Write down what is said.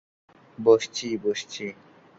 বসছি, বসছি।